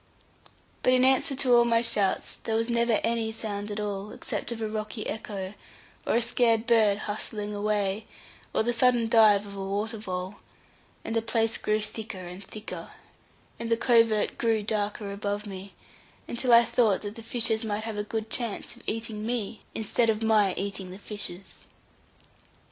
But in answer to all my shouts there never was any sound at all, except of a rocky echo, or a scared bird hustling away, or the sudden dive of a water vole; and the place grew thicker and thicker, and the covert grew darker above me, until I thought that the fishes might have good chance of eating me, instead of my eating the fishes.